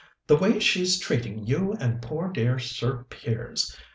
The way she's treating you and poor dear Sir Piers!